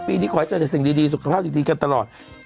นี้ขอให้เจอแต่สิ่งดีสุขภาพดีกันตลอด